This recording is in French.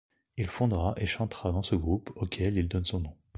Il fondera et chantera dans ce groupe auquel il donne son nom.